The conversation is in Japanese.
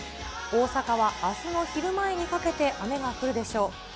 大阪はあすの昼前にかけて雨が降るでしょう。